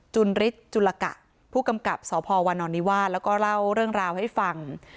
นฤทธิ์จุลกะผู้กำกับสพวานอนนิวาสแล้วก็เล่าเรื่องราวให้ฟัง